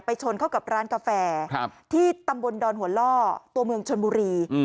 ชนเข้ากับร้านกาแฟที่ตำบลดอนหัวล่อตัวเมืองชนบุรี